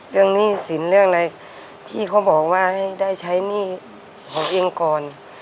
หนี้สินเรื่องอะไรพี่เขาบอกว่าให้ได้ใช้หนี้เขาเองก่อน